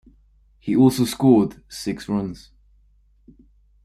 He also scored six runs.